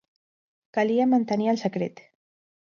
Calia mantenir el secret.